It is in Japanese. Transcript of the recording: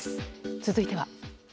続いては。